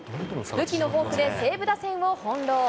武器のフォークで西武打線を翻弄。